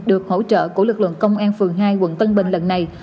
được hỗ trợ của lực lượng công an phường hai quận tân bình lần này